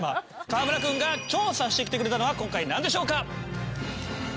川村君が調査してきてくれたのは今回なんでしょうか？